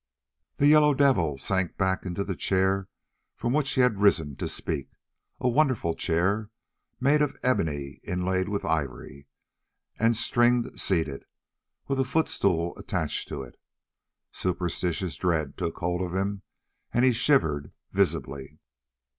The Yellow Devil sank back into the chair from which he had risen to speak, a wonderful chair made of ebony inlaid with ivory, and string seated, with a footstool attached to it. Superstitious dread took hold of him, and he shivered visibly.